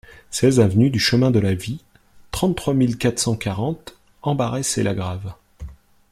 seize avenue du Chemin de la Vie, trente-trois mille quatre cent quarante Ambarès-et-Lagrave